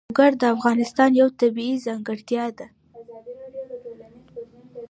لوگر د افغانستان یوه طبیعي ځانګړتیا ده.